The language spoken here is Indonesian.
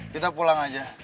kita pulang aja